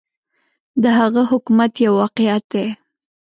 د هغه حکومت یو واقعیت دی.